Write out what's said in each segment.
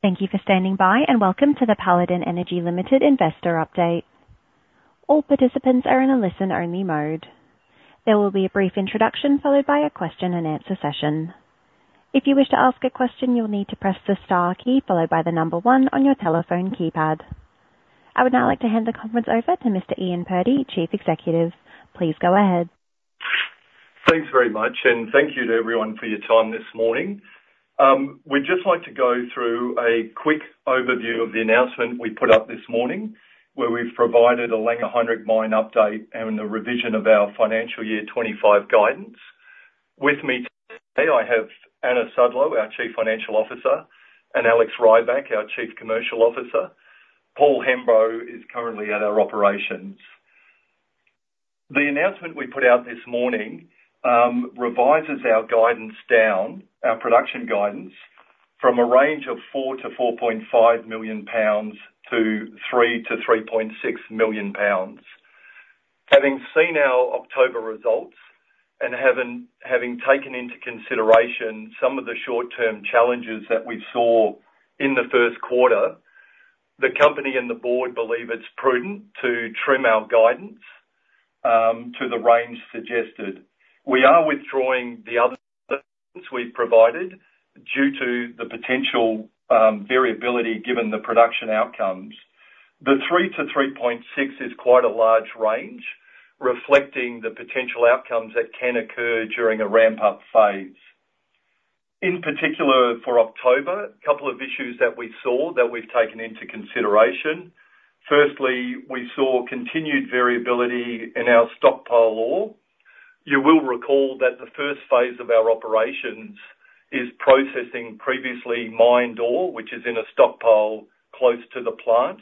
Thank you for standing by, and welcome to the Paladin Energy Limited Investor Update. All participants are in a listen-only mode. There will be a brief introduction followed by a Q&A session. If you wish to ask a question, you'll need to press the star key followed by the number one on your telephone keypad. I would now like to hand the conference over to Mr. Ian Purdy, Chief Executive. Please go ahead. Thanks very much, and thank you to everyone for your time this morning. We'd just like to go through a quick overview of the announcement we put up this morning, where we've provided a Langer Heinrich Mine update and a revision of our financial year 2025 guidance. With me today, I have Anna Sudlow, our Chief Financial Officer, and Alex Rybak, our Chief Commercial Officer. Paul Hemburrow is currently at our operations. The announcement we put out this morning revises our guidance down, our production guidance, from a range of 4-4.5 million pounds to 3-3.6 million pounds. Having seen our October results and having taken into consideration some of the short-term challenges that we saw in the Q1, the company and the board believe it's prudent to trim our guidance to the range suggested. We are withdrawing the other guidance we've provided due to the potential variability given the production outcomes. The 3-3.6 million pounds is quite a large range, reflecting the potential outcomes that can occur during a ramp-up phase. In particular for October, a couple of issues that we saw that we've taken into consideration. Firstly, we saw continued variability in our stockpile ore. You will recall that the first phase of our operations is processing previously mined ore, which is in a stockpile close to the plant.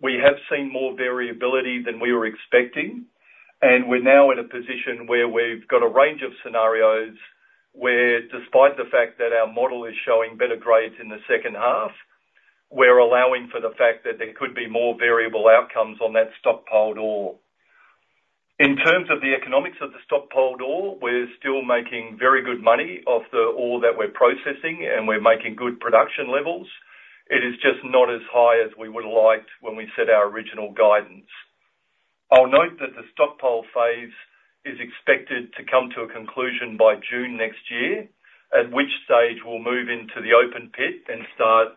We have seen more variability than we were expecting, and we're now in a position where we've got a range of scenarios where, despite the fact that our model is showing better grades in the second half, we're allowing for the fact that there could be more variable outcomes on that stockpile ore. In terms of the economics of the stockpile ore, we're still making very good money off the ore that we're processing, and we're making good production levels. It is just not as high as we would have liked when we set our original guidance. I'll note that the stockpile phase is expected to come to a conclusion by June next year, at which stage we'll move into the open pit and start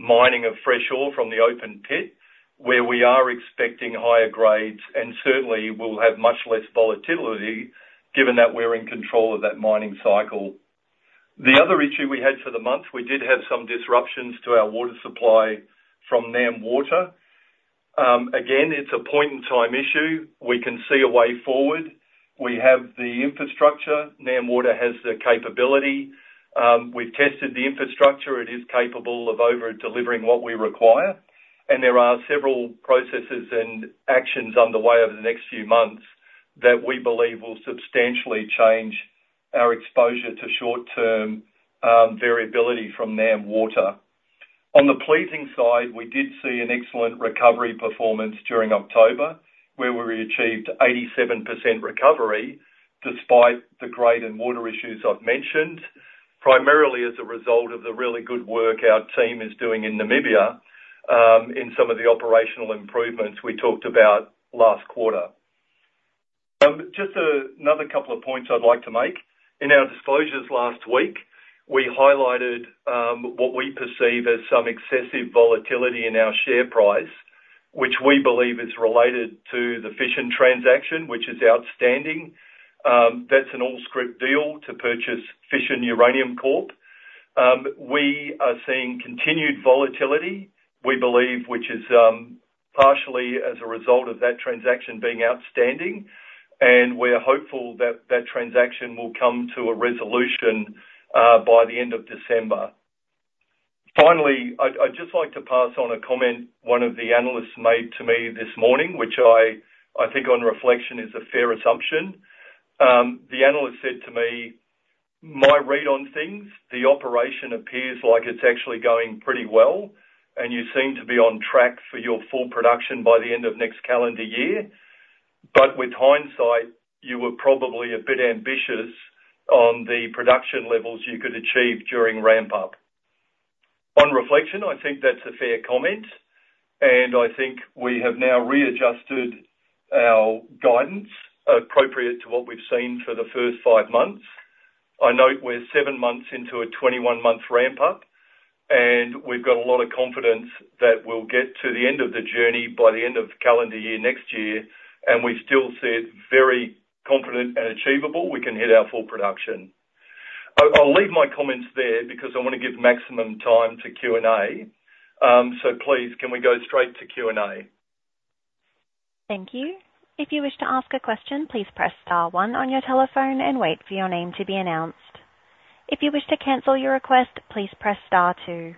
mining of fresh ore from the open pit, where we are expecting higher grades and certainly will have much less volatility given that we're in control of that mining cycle. The other issue we had for the month, we did have some disruptions to our water supply from NamWater. Again, it's a point-in-time issue. We can see a way forward. We have the infrastructure. NamWater has the capability. We've tested the infrastructure. It is capable of over-delivering what we require, and there are several processes and actions underway over the next few months that we believe will substantially change our exposure to short-term variability from NamWater. On the pleasing side, we did see an excellent recovery performance during October, where we achieved 87% recovery despite the grade and water issues I've mentioned, primarily as a result of the really good work our team is doing in Namibia, in some of the operational improvements we talked about last quarter. Just another couple of points I'd like to make. In our disclosures last week, we highlighted what we perceive as some excessive volatility in our share price, which we believe is related to the Fission transaction, which is outstanding. That's an all-scrip deal to purchase Fission Uranium Corp. We are seeing continued volatility, we believe, which is partially as a result of that transaction being outstanding, and we are hopeful that that transaction will come to a resolution by the end of December. Finally, I, I'd just like to pass on a comment one of the analysts made to me this morning, which I, I think on reflection is a fair assumption. The analyst said to me, "My read on things, the operation appears like it's actually going pretty well, and you seem to be on track for your full production by the end of next calendar year, but with hindsight, you were probably a bit ambitious on the production levels you could achieve during ramp-up." On reflection, I think that's a fair comment, and I think we have now readjusted our guidance appropriate to what we've seen for the first five months. I note we're seven months into a 21-month ramp-up, and we've got a lot of confidence that we'll get to the end of the journey by the end of calendar year next year, and we still see it very confident and achievable, we can hit our full production. I'll, I'll leave my comments there because I wanna give maximum time to Q&A, so please, can we go straight to Q&A? Thank you. If you wish to ask a question, please press star one on your telephone and wait for your name to be announced. If you wish to cancel your request, please press star two.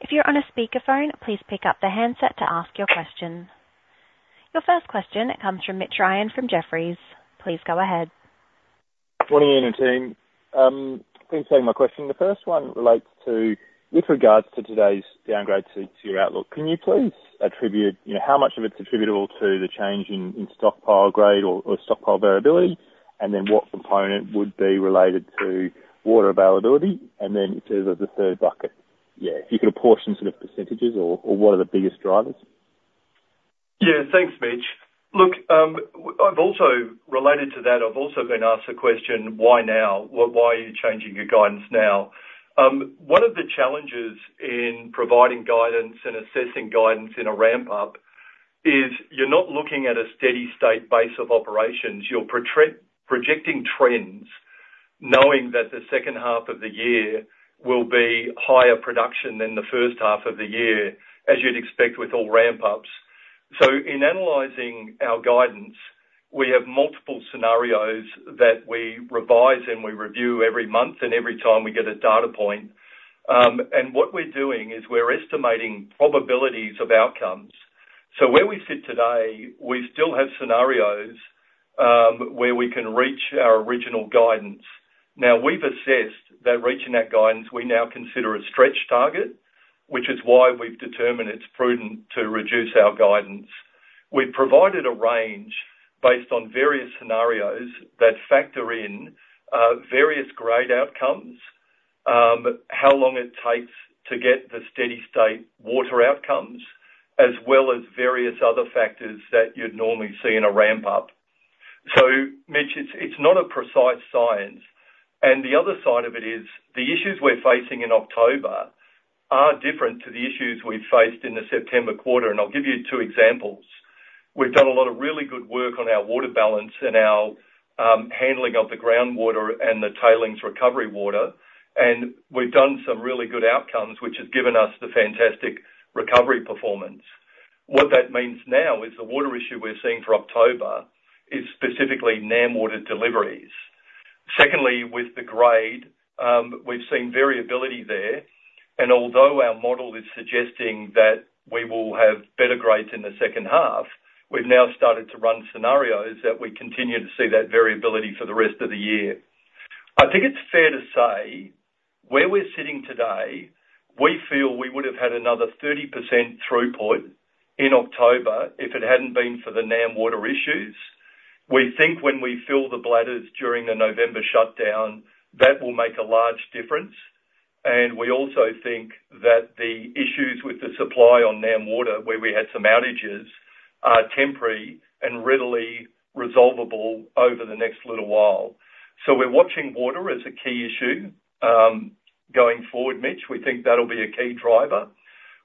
If you're on a speakerphone, please pick up the handset to ask your question. Your first question comes from Mitch Ryan from Jefferies. Please go ahead. Good morning, Ian and team. Thanks for taking my question. The first one relates to, with regards to today's downgrade to your outlook, can you please attribute, you know, how much of it's attributable to the change in stockpile grade or stockpile variability, and then what component would be related to water availability, and then if there's a third bucket, yeah, if you could apportion sort of percentages or what are the biggest drivers? Yeah, thanks, Mitch. Look, I've also related to that. I've also been asked the question, why now? What, why are you changing your guidance now? One of the challenges in providing guidance and assessing guidance in a ramp-up is you're not looking at a steady-state base of operations. You're projecting trends, knowing that the second half of the year will be higher production than the first half of the year, as you'd expect with all ramp-ups. So in analyzing our guidance, we have multiple scenarios that we revise and we review every month and every time we get a data point, and what we're doing is we're estimating probabilities of outcomes. So where we sit today, we still have scenarios where we can reach our original guidance. Now, we've assessed that reaching that guidance, we now consider a stretch target, which is why we've determined it's prudent to reduce our guidance. We've provided a range based on various scenarios that factor in various grade outcomes, how long it takes to get the steady-state water outcomes, as well as various other factors that you'd normally see in a ramp-up. So, Mitch, it's not a precise science. And the other side of it is the issues we're facing in October are different to the issues we've faced in the September quarter, and I'll give you two examples. We've done a lot of really good work on our water balance and our handling of the groundwater and the tailings recovery water, and we've done some really good outcomes, which has given us the fantastic recovery performance. What that means now is the water issue we're seeing for October is specifically NamWater deliveries. Secondly, with the grade, we've seen variability there, and although our model is suggesting that we will have better grades in the second half, we've now started to run scenarios that we continue to see that variability for the rest of the year. I think it's fair to say where we're sitting today, we feel we would have had another 30% throughput in October if it hadn't been for the NamWater issues. We think when we fill the bladders during the November shutdown, that will make a large difference, and we also think that the issues with the supply on NamWater, where we had some outages, are temporary and readily resolvable over the next little while. So we're watching water as a key issue, going forward, Mitch. We think that'll be a key driver.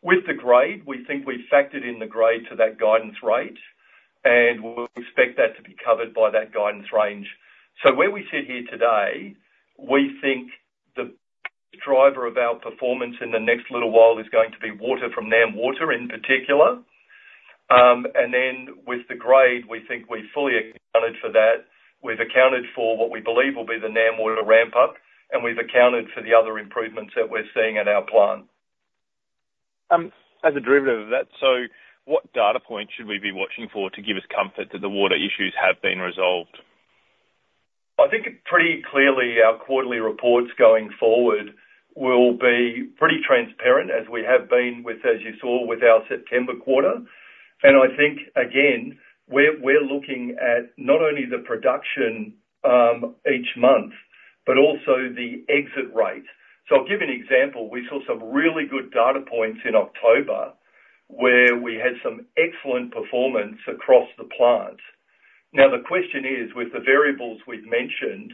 With the grade, we think we factored in the grade to that guidance rate, and we'll expect that to be covered by that guidance range. So where we sit here today, we think the driver of our performance in the next little while is going to be water from NamWater in particular, and then with the grade, we think we fully accounted for that. We've accounted for what we believe will be the NamWater ramp-up, and we've accounted for the other improvements that we're seeing at our plant. As a derivative of that, so what data points should we be watching for to give us comfort that the water issues have been resolved? I think pretty clearly our quarterly reports going forward will be pretty transparent, as we have been with, as you saw, with our September quarter. And I think, again, we're, we're looking at not only the production, each month, but also the exit rate. So I'll give you an example. We saw some really good data points in October where we had some excellent performance across the plant. Now, the question is, with the variables we've mentioned,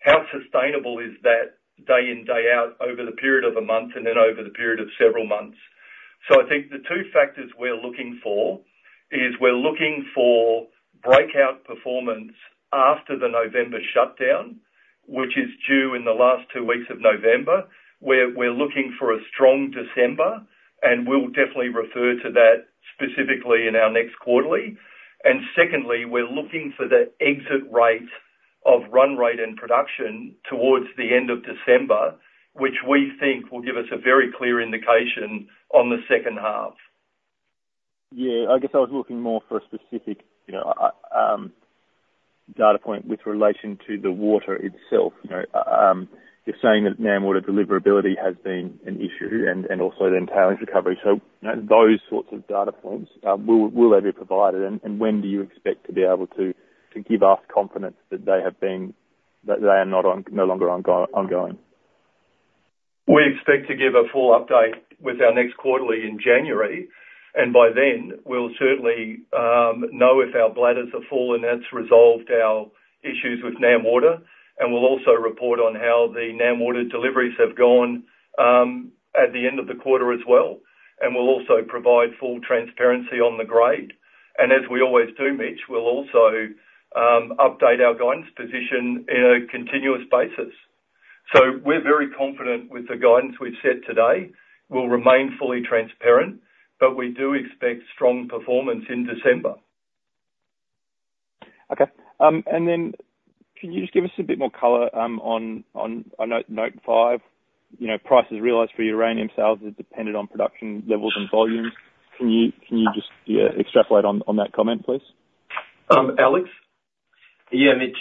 how sustainable is that day in, day out over the period of a month and then over the period of several months? So I think the two factors we're looking for is we're looking for breakout performance after the November shutdown, which is due in the last two weeks of November. We're, we're looking for a strong December, and we'll definitely refer to that specifically in our next quarterly. Secondly, we're looking for the exit rate of run rate and production towards the end of December, which we think will give us a very clear indication on the second half. Yeah, I guess I was looking more for a specific, you know, data point with relation to the water itself. You know, you're saying that NamWater deliverability has been an issue and also then tailings recovery. So, you know, those sorts of data points, will they be provided? And when do you expect to be able to give us confidence that they have been, that they are no longer ongoing? We expect to give a full update with our next quarterly in January, and by then, we'll certainly know if our bladders have fallen and it's resolved our issues with NamWater, and we'll also report on how the NamWater deliveries have gone, at the end of the quarter as well. We'll also provide full transparency on the grade, and as we always do, Mitch, we'll also update our guidance position in a continuous basis, so we're very confident with the guidance we've set today. We'll remain fully transparent, but we do expect strong performance in December. Okay, and then can you just give us a bit more color on note five, you know, prices realized for uranium sales that depended on production levels and volumes? Can you just, yeah, extrapolate on that comment, please? Alex? Yeah, Mitch.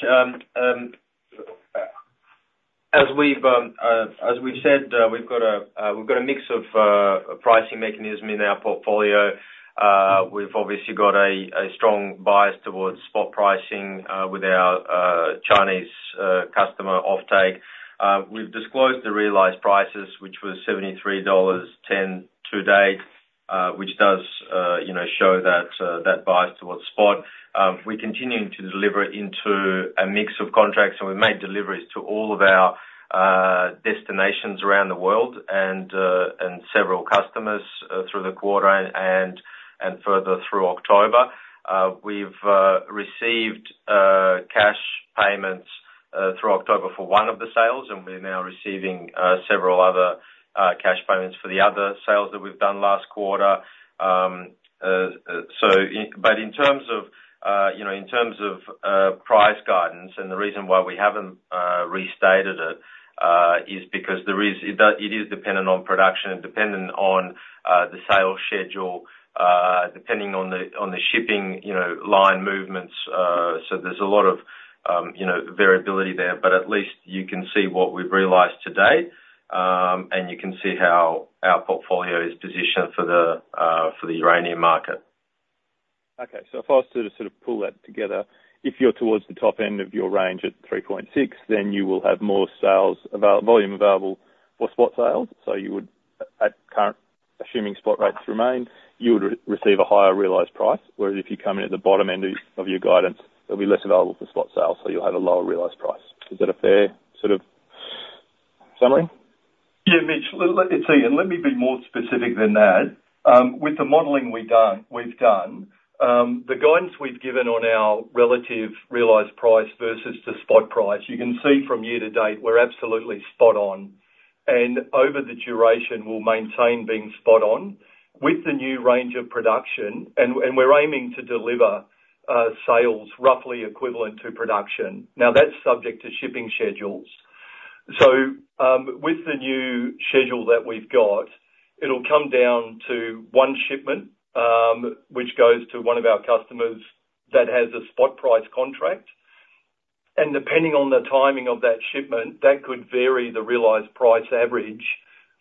As we've said, we've got a mix of pricing mechanism in our portfolio. We've obviously got a strong bias towards spot pricing with our Chinese customer offtake. We've disclosed the realized prices, which was $73.10 to date, which does, you know, show that bias towards spot. We're continuing to deliver into a mix of contracts, and we've made deliveries to all of our destinations around the world and several customers through the quarter and further through October. We've received cash payments through October for one of the sales, and we're now receiving several other cash payments for the other sales that we've done last quarter. So, but in terms of, you know, price guidance and the reason why we haven't restated it is because it is dependent on production and dependent on the sales schedule, depending on the shipping, you know, line movements. There's a lot of, you know, variability there, but at least you can see what we've realized to date, and you can see how our portfolio is positioned for the uranium market. Okay, so if I was to sort of pull that together, if you're towards the top end of your range at 3.6, then you will have more sales available, volume available for spot sales. So you would, at current assuming spot rates remain, you would receive a higher realized price, whereas if you come in at the bottom end of your guidance, there'll be less available for spot sales, so you'll have a lower realized price. Is that a fair sort of summary? Yeah, Mitch, let me see. And let me be more specific than that. With the modeling we've done, the guidance we've given on our relative realized price versus the spot price, you can see from year to date we're absolutely spot on. And over the duration, we'll maintain being spot on with the new range of production, and we're aiming to deliver sales roughly equivalent to production. Now, that's subject to shipping schedules. So, with the new schedule that we've got, it'll come down to one shipment, which goes to one of our customers that has a spot price contract. And depending on the timing of that shipment, that could vary the realized price average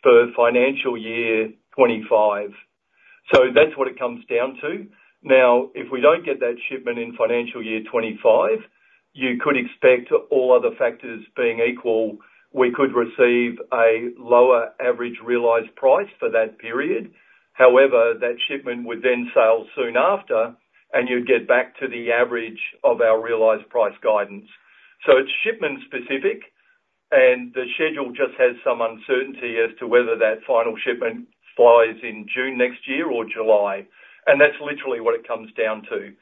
for financial year 2025. So that's what it comes down to. Now, if we don't get that shipment in financial year 2025, you could expect all other factors being equal, we could receive a lower average realized price for that period. However, that shipment would then sell soon after, and you'd get back to the average of our realized price guidance. So it's shipment specific, and the schedule just has some uncertainty as to whether that final shipment flies in June next year or July. And that's literally what it comes down to.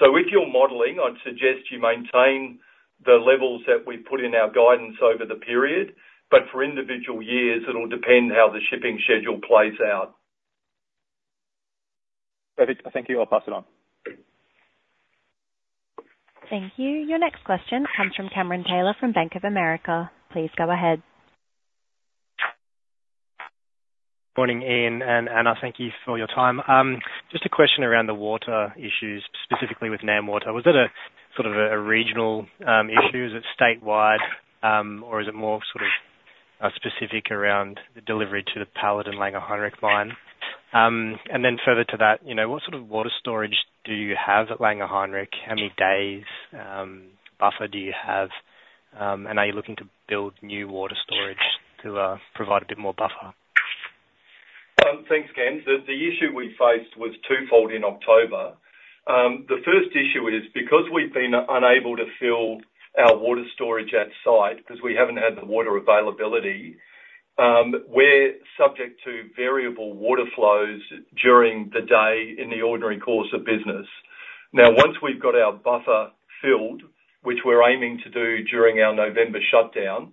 So with your modeling, I'd suggest you maintain the levels that we've put in our guidance over the period, but for individual years, it'll depend how the shipping schedule plays out. Perfect. I think you are passing on. Thank you. Your next question comes from Cameron Taylor from Bank of America. Please go ahead. Good morning, Ian and Anna. Thank you for your time. Just a question around the water issues, specifically with NamWater. Was it a sort of a regional issue? Is it statewide, or is it more sort of specific around the delivery to the Paladin Langer Heinrich Mine? And then further to that, you know, what sort of water storage do you have at Langer Heinrich Mine? How many days buffer do you have? And are you looking to build new water storage to provide a bit more buffer? Thanks, Cam. The issue we faced was twofold in October. The first issue is because we've been unable to fill our water storage at site because we haven't had the water availability. We're subject to variable water flows during the day in the ordinary course of business. Now, once we've got our buffer filled, which we're aiming to do during our November shutdown,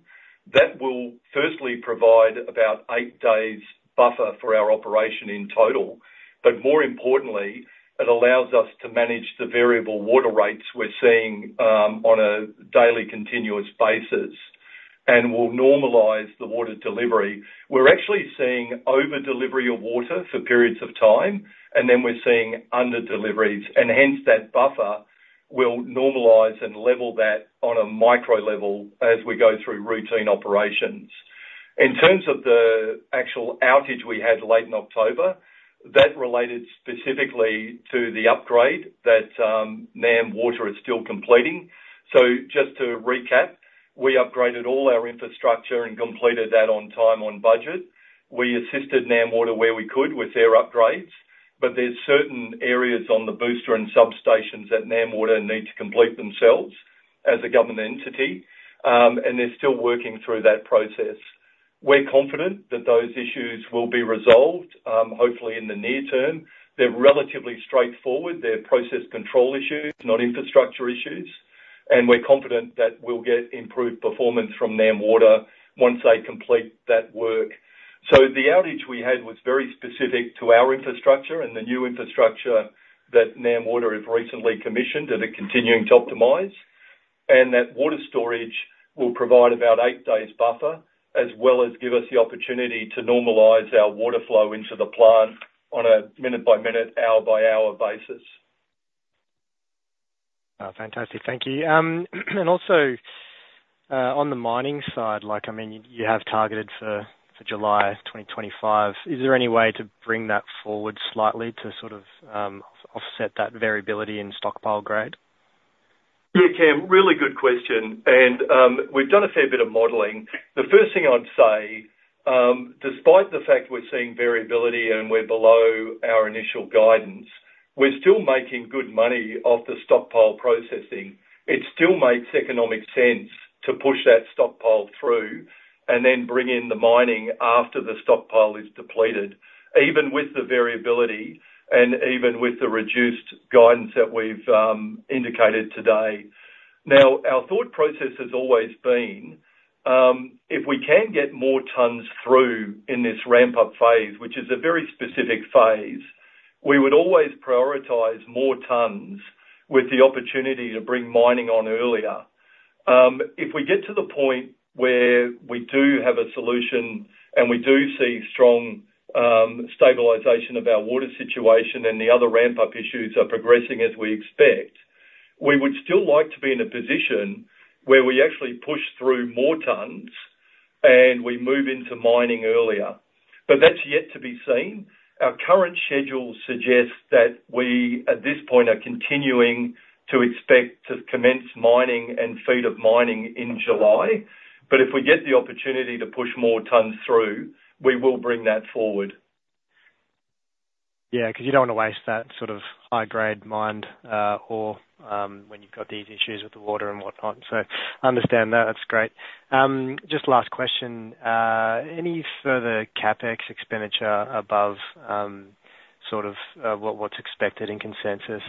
that will firstly provide about eight days' buffer for our operation in total. But more importantly, it allows us to manage the variable water rates we're seeing on a daily continuous basis and will normalize the water delivery. We're actually seeing overdelivery of water for periods of time, and then we're seeing under-deliveries, and hence that buffer will normalize and level that on a micro level as we go through routine operations. In terms of the actual outage we had late in October, that related specifically to the upgrade that NamWater is still completing. So just to recap, we upgraded all our infrastructure and completed that on time on budget. We assisted NamWater where we could with their upgrades, but there's certain areas on the booster and substations that NamWater need to complete themselves as a government entity, and they're still working through that process. We're confident that those issues will be resolved, hopefully in the near term. They're relatively straightforward. They're process control issues, not infrastructure issues, and we're confident that we'll get improved performance from NamWater once they complete that work. So the outage we had was very specific to our infrastructure and the new infrastructure that NamWater have recently commissioned that are continuing to optimize, and that water storage will provide about eight days' buffer as well as give us the opportunity to normalize our water flow into the plant on a minute-by-minute, hour-by-hour basis. Fantastic. Thank you. And also, on the mining side, like, I mean, you have targeted for July 2025. Is there any way to bring that forward slightly to sort of offset that variability in stockpile grade? Yeah, Cam, really good question. And, we've done a fair bit of modeling. The first thing I'd say, despite the fact we're seeing variability and we're below our initial guidance, we're still making good money off the stockpile processing. It still makes economic sense to push that stockpile through and then bring in the mining after the stockpile is depleted, even with the variability and even with the reduced guidance that we've indicated today. Now, our thought process has always been, if we can get more tons through in this ramp-up phase, which is a very specific phase, we would always prioritize more tons with the opportunity to bring mining on earlier. If we get to the point where we do have a solution and we do see strong stabilization of our water situation and the other ramp-up issues are progressing as we expect, we would still like to be in a position where we actually push through more tons and we move into mining earlier. But that's yet to be seen. Our current schedule suggests that we at this point are continuing to expect to commence mining and feed of mining in July. But if we get the opportunity to push more tons through, we will bring that forward. Yeah, because you don't want to waste that sort of high-grade mined, or, when you've got these issues with the water and whatnot. So I understand that. That's great. Just last question. Any further CapEx expenditure above, sort of, what, what's expected in consensus,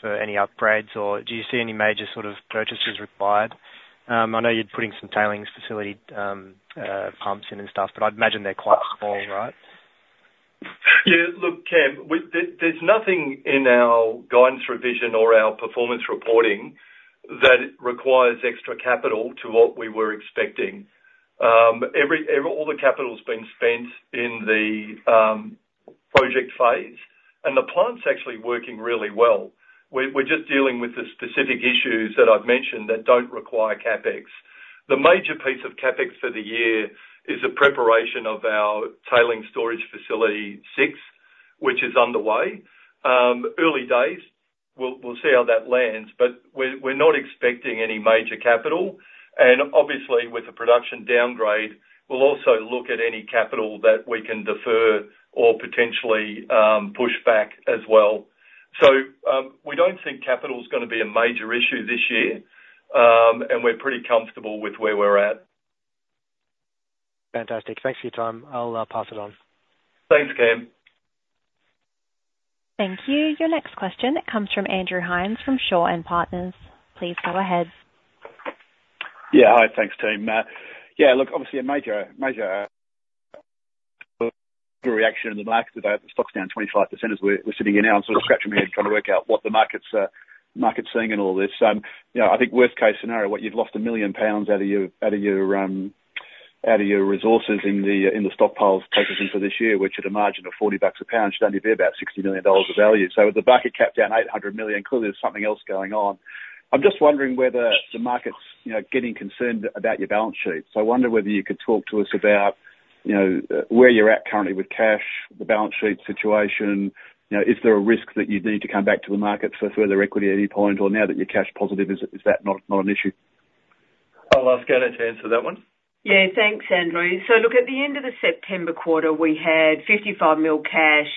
for any upgrades, or do you see any major sort of purchases required? I know you're putting some tailings facility, pumps in and stuff, but I'd imagine they're quite small, right? Yeah, look, Cam, we're there. There's nothing in our guidance revision or our performance reporting that requires extra capital to what we were expecting. All the capital's been spent in the project phase, and the plant's actually working really well. We're just dealing with the specific issues that I've mentioned that don't require CapEx. The major piece of CapEx for the year is the preparation of our tailings storage facility six, which is underway. Early days, we'll see how that lands, but we're not expecting any major capital. Obviously, with the production downgrade, we'll also look at any capital that we can defer or potentially push back as well. We don't think capital's going to be a major issue this year, and we're pretty comfortable with where we're at. Fantastic. Thanks for your time. I'll pass it on. Thanks, Cam. Thank you. Your next question, it comes from Andrew Hines from Shaw and Partners. Please go ahead. Yeah. Hi, thanks, team. Yeah, look, obviously a major reaction in the market today. That stock's down 25% as we're sitting here now and sort of scratching my head trying to work out what the market's seeing and all this. You know, I think worst-case scenario, what you've lost a million pounds out of your resources in the stockpiles provision for this year, which at a margin of $40 a pound should only be about $60 million of value. So with the market cap down $800 million, clearly there's something else going on. I'm just wondering whether the market's, you know, getting concerned about your balance sheet. So I wonder whether you could talk to us about, you know, where you're at currently with cash, the balance sheet situation, you know, is there a risk that you'd need to come back to the market for further equity at any point, or now that you're cash positive, is that not an issue? I'll ask Anna to answer that one. Yeah, thanks, Andrew. So look, at the end of the September quarter, we had 55 million cash,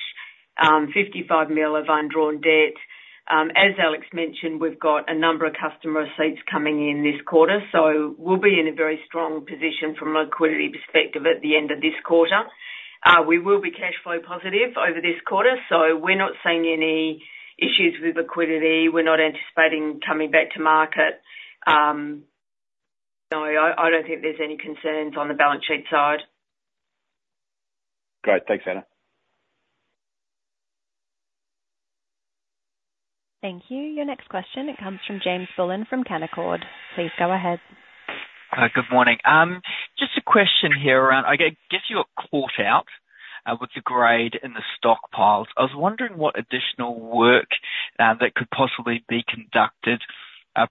55 million of undrawn debt. As Alex mentioned, we've got a number of customer receipts coming in this quarter, so we'll be in a very strong position from a liquidity perspective at the end of this quarter. We will be cash flow positive over this quarter, so we're not seeing any issues with liquidity. We're not anticipating coming back to market. No, I don't think there's any concerns on the balance sheet side. Great. Thanks, Anna. Thank you. Your next question, it comes from James Bullen from Canaccord. Please go ahead. Good morning. Just a question here around, I guess you got caught out, with the grade in the stockpiles. I was wondering what additional work, that could possibly be conducted,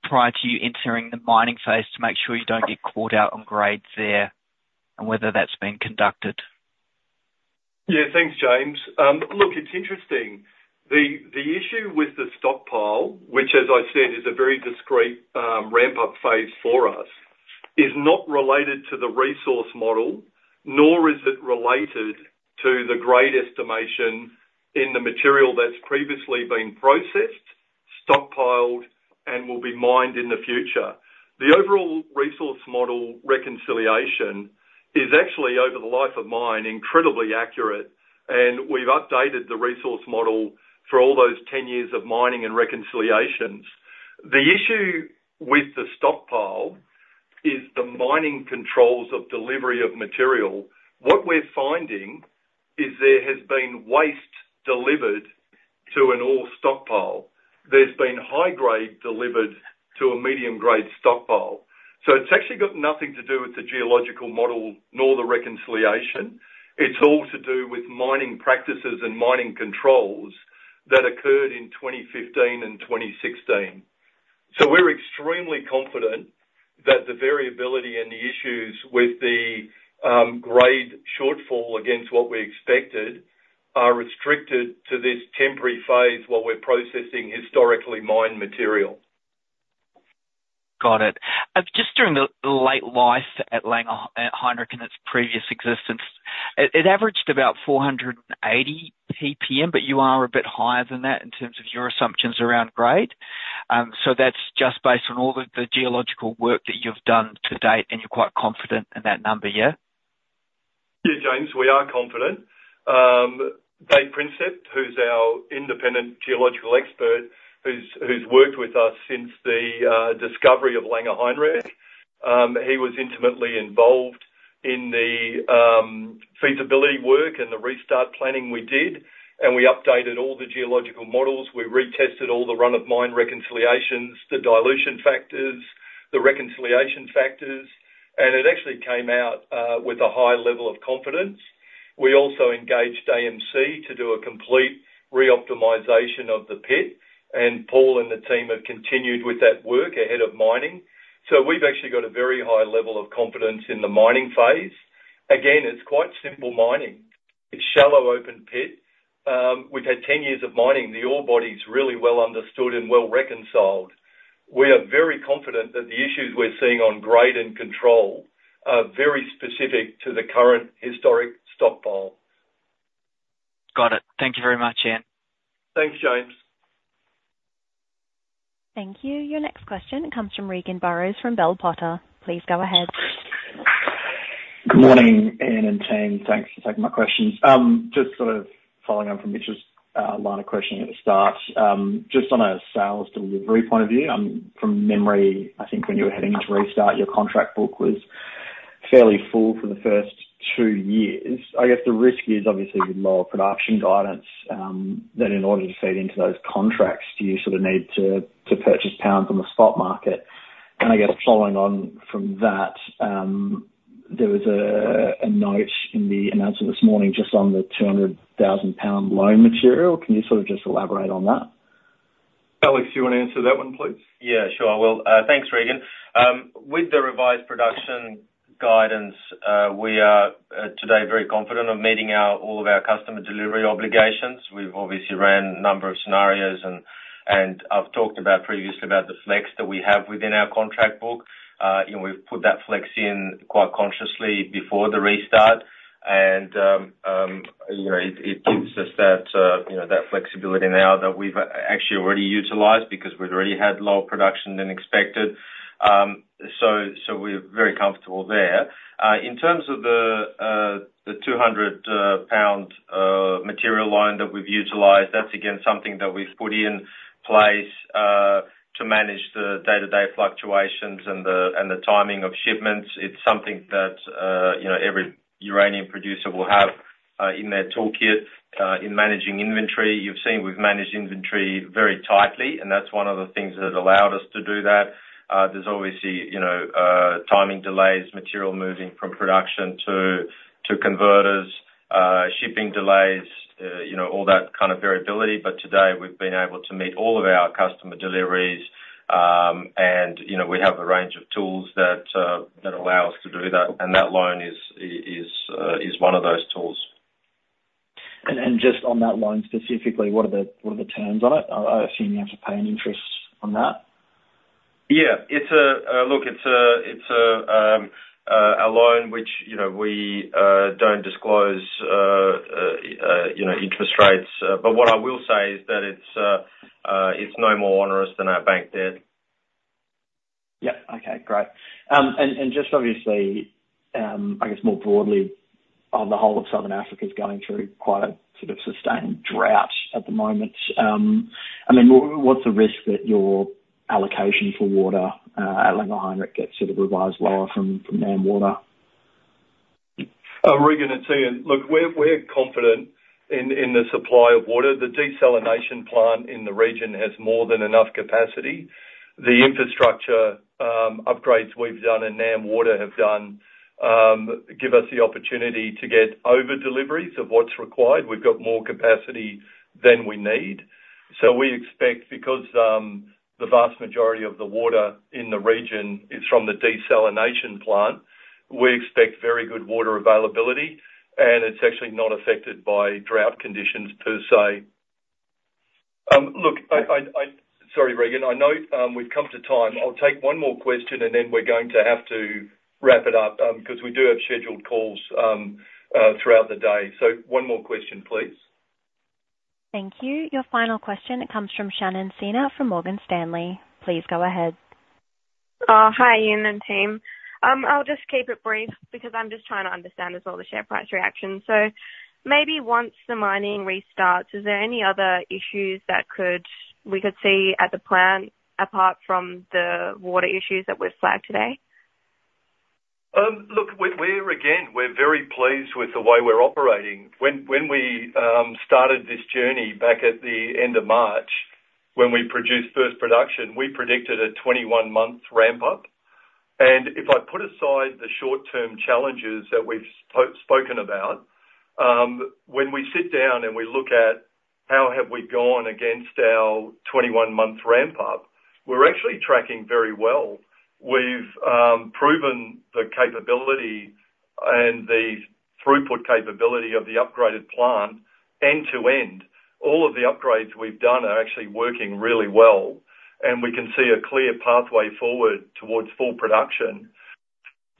prior to you entering the mining phase to make sure you don't get caught out on grade there and whether that's been conducted? Yeah, thanks, James. Look, it's interesting. The issue with the stockpile, which, as I said, is a very discrete ramp-up phase for us, is not related to the resource model, nor is it related to the grade estimation in the material that's previously been processed, stockpiled, and will be mined in the future. The overall resource model reconciliation is actually, over the life of mine, incredibly accurate, and we've updated the resource model for all those 10 years of mining and reconciliations. The issue with the stockpile is the mining controls of delivery of material. What we're finding is there has been waste delivered to an ore stockpile. There's been high-grade delivered to a medium-grade stockpile. So it's actually got nothing to do with the geological model nor the reconciliation. It's all to do with mining practices and mining controls that occurred in 2015 and 2016. So we're extremely confident that the variability and the issues with the grade shortfall against what we expected are restricted to this temporary phase while we're processing historically mined material. Got it. Just during the late life at Langer Heinrich and its previous existence, it averaged about 480ppm, but you are a bit higher than that in terms of your assumptions around grade. So that's just based on all the geological work that you've done to date, and you're quite confident in that number, yeah? Yeah, James, we are confident. David Princep, who's our independent geological expert, who's worked with us since the discovery of Langer Heinrich Mine, he was intimately involved in the feasibility work and the restart planning we did, and we updated all the geological models. We retested all the run-of-mine reconciliations, the dilution factors, the reconciliation factors, and it actually came out with a high level of confidence. We also engaged AMC to do a complete reoptimization of the pit, and Paul and the team have continued with that work ahead of mining. So we've actually got a very high level of confidence in the mining phase. Again, it's quite simple mining. It's a shallow open pit. We've had 10 years of mining. The ore body's really well understood and well reconciled. We are very confident that the issues we're seeing on grade and control are very specific to the current historic stockpile. Got it. Thank you very much, Ian. Thanks, James. Thank you. Your next question, it comes from Regan Burrows from Bell Potter. Please go ahead. Good morning, Ian and team. Thanks for taking my questions. Just sort of following on from Mitch's line of questioning at the start, just on a sales delivery point of view, from memory, I think when you were heading into restart, your contract book was fairly full for the first two years. I guess the risk is obviously with lower production guidance, that in order to feed into those contracts, you sort of need to purchase pounds on the spot market. And I guess following on from that, there was a note in the announcement this morning just on the 200,000 pound loan material. Can you sort of just elaborate on that? Alex, do you want to answer that one, please? Yeah, sure, I will. Thanks, Regan. With the revised production guidance, we are today very confident of meeting our all of our customer delivery obligations. We've obviously ran a number of scenarios, and I've talked about previously about the flex that we have within our contract book. You know, we've put that flex in quite consciously before the restart, and you know, it gives us that you know that flexibility now that we've actually already utilized because we've already had lower production than expected. So we're very comfortable there. In terms of the 200,000 lb material line that we've utilized, that's again something that we've put in place to manage the day-to-day fluctuations and the timing of shipments. It's something that you know every uranium producer will have in their toolkit in managing inventory. You've seen we've managed inventory very tightly, and that's one of the things that allowed us to do that. There's obviously, you know, timing delays, material moving from production to converters, shipping delays, you know, all that kind of variability. But today we've been able to meet all of our customer deliveries, and, you know, we have a range of tools that allow us to do that, and that loan is one of those tools. Just on that loan specifically, what are the terms on it? I assume you have to pay an interest on that? Yeah, it's a loan which, you know, we don't disclose, you know, interest rates. But what I will say is that it's no more onerous than our bank debt. Yeah. Okay. Great. And just obviously, I guess more broadly, on the whole, Southern Africa's going through quite a sort of sustained drought at the moment. I mean, what's the risk that your allocation for water at Langer Heinrich Mine gets sort of revised lower from NamWater? Regan and team, look, we're confident in the supply of water. The desalination plant in the region has more than enough capacity. The infrastructure upgrades we've done in NamWater have done give us the opportunity to get over deliveries of what's required. We've got more capacity than we need. So we expect because the vast majority of the water in the region is from the desalination plant, we expect very good water availability, and it's actually not affected by drought conditions per se. Look, I sorry, Regan. I know we've come to time. I'll take one more question, and then we're going to have to wrap it up, because we do have scheduled calls throughout the day. One more question, please. Thank you. Your final question, it comes from Shannon Sinha from Morgan Stanley. Please go ahead. Hi, Ian and team. I'll just keep it brief because I'm just trying to understand as well the share price reaction. So maybe once the mining restarts, is there any other issues that we could see at the plant apart from the water issues that we've flagged today? Look, we're, again, we're very pleased with the way we're operating. When we started this journey back at the end of March, when we produced first production, we predicted a 21-month ramp-up, and if I put aside the short-term challenges that we've spoken about, when we sit down and we look at how have we gone against our 21-month ramp-up, we're actually tracking very well. We've proven the capability and the throughput capability of the upgraded plant end-to-end. All of the upgrades we've done are actually working really well, and we can see a clear pathway forward towards full production.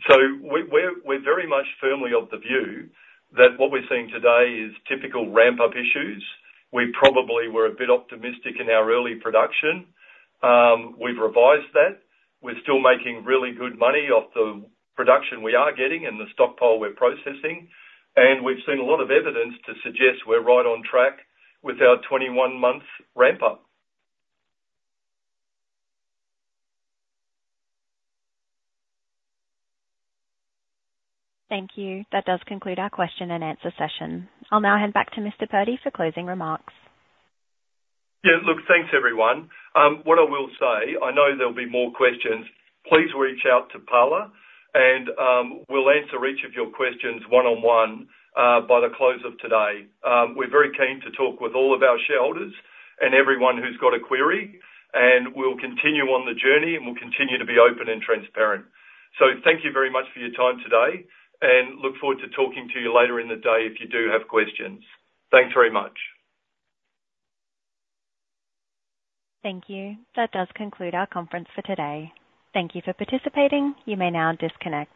We're very much firmly of the view that what we're seeing today is typical ramp-up issues. We probably were a bit optimistic in our early production. We've revised that. We're still making really good money off the production we are getting and the stockpile we're processing, and we've seen a lot of evidence to suggest we're right on track with our 21-month ramp-up. Thank you. That does conclude our Q&A session. I'll now hand back to Mr. Purdy for closing remarks. Yeah, look, thanks everyone. What I will say, I know there'll be more questions. Please reach out to Paladin, and we'll answer each of your questions one-on-one, by the close of today. We're very keen to talk with all of our shareholders and everyone who's got a query, and we'll continue on the journey, and we'll continue to be open and transparent. So thank you very much for your time today, and look forward to talking to you later in the day if you do have questions. Thanks very much. Thank you. That does conclude our conference for today. Thank you for participating. You may now disconnect.